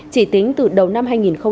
chỉ tính từ đầu năm hai nghìn một mươi chín